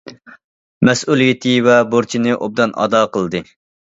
مەسئۇلىيىتى ۋە بۇرچىنى ئوبدان ئادا قىلدى.